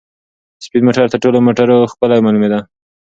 سپین موټر تر ټولو موټرو ښکلی معلومېده.